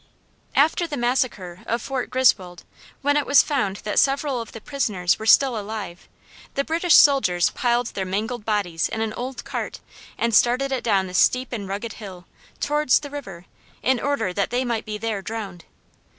After the massacre of Fort Griswold, when it was found that several of the prisoners were still alive, the British soldiers piled their mangled bodies in an old cart and started it down the steep and rugged hill, towards the river, in order that they might be there drowned.